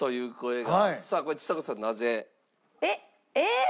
えっ。